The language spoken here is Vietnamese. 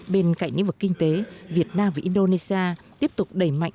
bên cạnh những vực kinh tế việt nam và indonesia tiếp tục đẩy mạnh